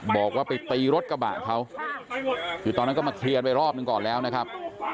บอกว่าไปตีรถกระบะเขาคือตอนนั้นก็มาเคลียร์ไปรอบหนึ่งก่อนแล้วนะครับ